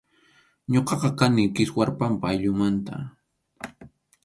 Ñuqaqa kani Kiswarpampa ayllumanta.